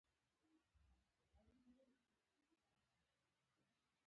يو ټيټ خوبولی ږغ يې واورېد.